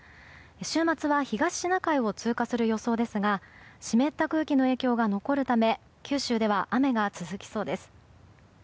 週末は東シナ海を通過する予想ですが湿った空気の影響が残るため九州では雨が続きそうです。